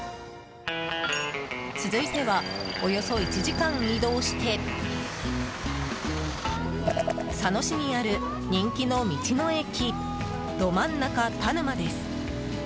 続いては、およそ１時間移動して佐野市にある人気の道の駅どまんなかたぬまです。